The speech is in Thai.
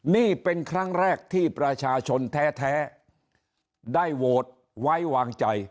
นี่เป็นครั้งแรกที่ประชาชนแท้ได้โหวตไว้วางใจ